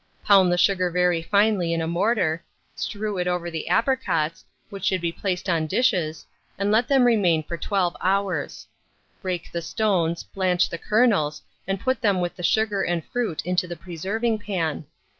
Pound the sugar very finely in a mortar, strew it over the apricots, which should be placed on dishes, and let them remain for 12 hours. Break the stones, blanch the kernels, and put them with the sugar and fruit into a preserving pan.